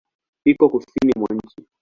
Iko kusini mwa nchi.